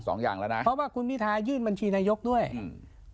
อย่างแล้วนะเพราะว่าคุณพิทายื่นบัญชีนายกด้วยอืม